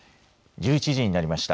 １１時になりました。